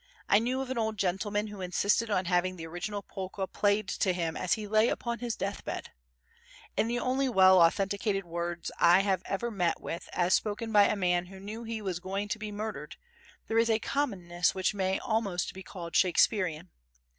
I knew of an old gentleman who insisted on having the original polka played to him as he lay upon his death bed. In the only well authenticated words I have ever met with as spoken by a man who knew he was going to be murdered, there is a commonness which may almost be called Shakespearean.